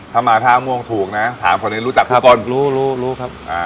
ถ้ามาท่าม่วงถูกนะถามคนนี้รู้จักพี่บอลรู้รู้ครับอ่า